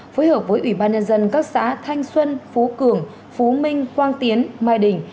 phối hợp với ủy ban nhân dân các xã thanh xuân phú cường phú minh quang tiến mai đình